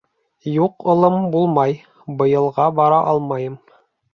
— Юҡ, улым, булмай, быйылға бара алмайым.